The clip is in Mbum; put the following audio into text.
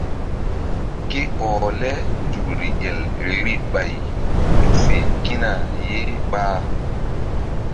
Ke ɔh le nzukri el vbi ɓay tu fe kína ye ɓa.